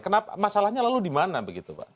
kenapa masalahnya lalu di mana begitu pak